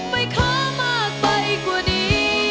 ไม่ขอมากไปกว่านี้